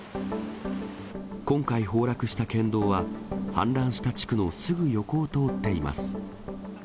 今回、崩落した県道は、氾濫した地区のすぐ横を通っています。